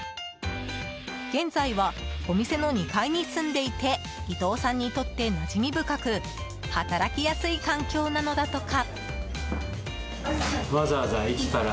現在は、お店の２階に住んでいて伊藤さんにとって馴染み深く働きやすい環境なのだとか。